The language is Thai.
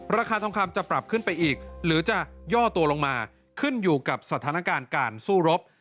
ราคาทองคำจะปรับขึ้นไปอีกหรือจะย่อตัวลงมาขึ้นอยู่กับสถานการณ์การสู้รบ